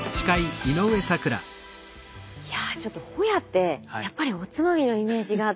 いやちょっとホヤってやっぱりおつまみのイメージがあって。